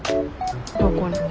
どこに？